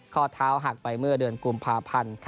ข้อเท้าหักไปเมื่อเดือนกุมภาพันธ์